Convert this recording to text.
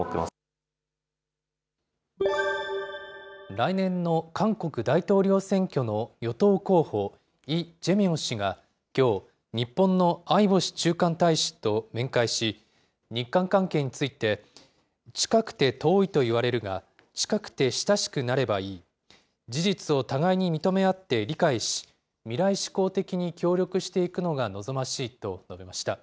来年の韓国大統領選挙の与党候補、イ・ジェミョン氏が、きょう、日本の相星駐韓大使と面会し、日韓関係について、近くて遠いと言われるが、近くて親しくなればいい、事実を互いに認め合って理解し、未来志向的に協力していくのが望ましいと述べました。